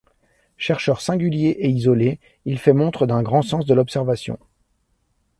Chercheur singulier et isolé, il fait montre d’un grand sens de l’observation.